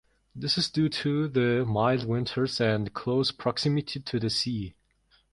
This is due to the mild winters and close proximity to the sea.